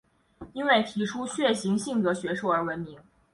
因为提出血型性格学说而闻名。